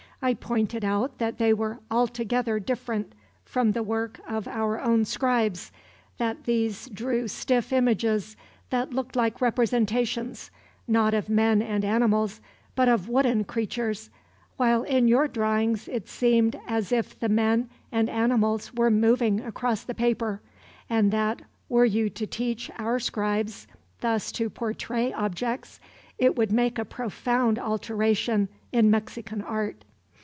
I pointed out that they were altogether different from the work of our own scribes; that these drew stiff images that looked like representations, not of men and animals, but of wooden creatures, while in your drawings it seemed as if the men and animals were moving across the paper; and that, were you to teach our scribes thus to portray objects, it would make a profound alteration in Mexican art.